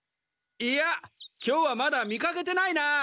いや今日はまだ見かけてないな。